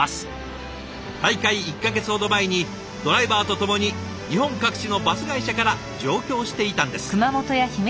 大会１か月ほど前にドライバーと共に日本各地のバス会社から上京していたんです。